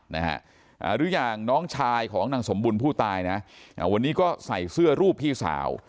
หรืออย่างน้องชายของนางสมบุญผู้ตายนะวันนี้ก็ใส่เสื้อรูปพี่สาว